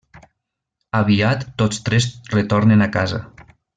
Aviat tots tres retornen a casa.